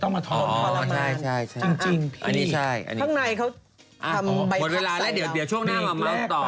ท่านในเขาทำใบคัดใส่เราอ๋อหมดเวลาแล้วเดี๋ยวช่วงหน้ามาม้าต์ต่อ